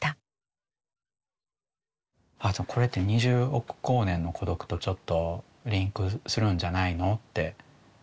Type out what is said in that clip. これって「二十億光年の孤独」とちょっとリンクするんじゃないのって。